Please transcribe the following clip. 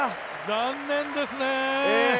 残念ですね。